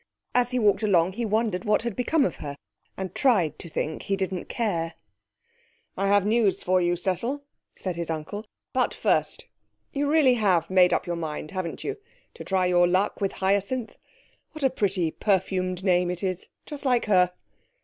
As he walked along, he wondered what had become of her, and tried to think he didn't care. 'I have news for you, Cecil,' said his uncle; 'but, first, you really have made up your mind, haven't you, to try your luck with Hyacinth? What a pretty perfumed name it is just like her.'